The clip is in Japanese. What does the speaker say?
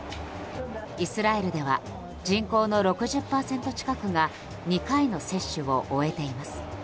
イスラエルでは人口の６０％近くが２回の接種を終えています。